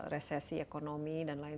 resesi ekonomi dan lain